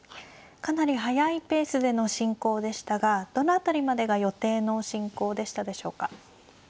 かなり速いペースでの進行でしたがどの辺りまでが予定の進行でしたでしょうか。